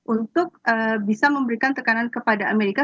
untuk bisa memberikan tekanan kepada amerika